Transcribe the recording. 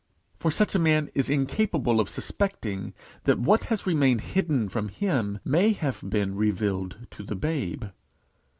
For such a man is incapable of suspecting, that what has remained hidden from him may have been revealed to the babe.